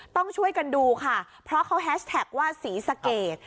ต้องช่วยกันดูค่ะเพราะเขาแฮชแท็กว่าศรีสะเกด